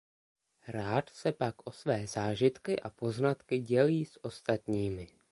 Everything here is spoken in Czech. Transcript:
Rád se pak o své zážitky a poznatky dělí s ostatními.